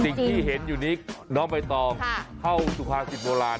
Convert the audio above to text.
สิ่งที่เห็นอยู่นี้น้องใบตองเข้าสุภาษิตโบราณ